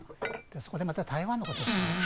そこでまた台湾のことを。